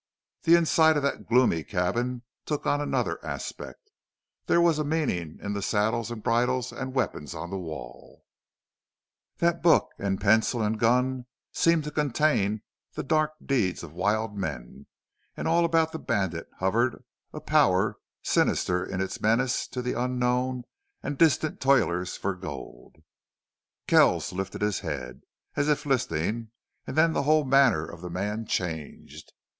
The inside of that gloomy cabin took on another aspect; there was a meaning in the saddles and bridles and weapons on the wall; that book and pencil and gun seemed to contain the dark deeds of wild men; and all about the bandit hovered a power sinister in its menace to the unknown and distant toilers for gold. Kells lifted his head, as if listening, and then the whole manner of the man changed.